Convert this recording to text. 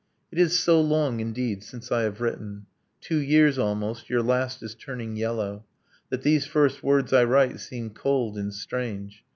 It is so long, indeed, since I have written, Two years, almost, your last is turning yellow, That these first words I write seem cold and strange.